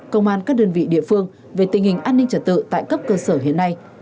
công an các đơn vị địa phương về tình hình an ninh trật tự tại cấp cơ sở hiện nay